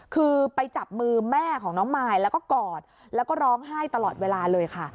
คือไปจับมือแม่ของน้องมายแล้วก็กอดแล้วก็ร้องไห้ตลอดเวลาเลยค่ะ